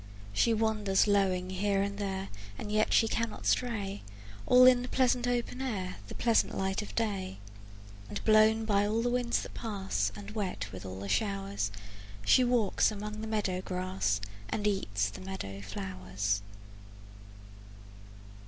She wanders lowing here and there, And yet she cannot stray, All in the pleasant open air, The pleasant light of day; And blown by all the winds that pass And wet with all the showers, She walks among the meadow grass And eats the meadow flowers.